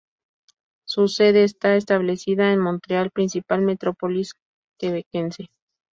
Su sede está establecida en Montreal, principal metrópolis quebequense.